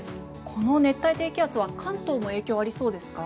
この熱帯低気圧は関東も影響ありそうですか？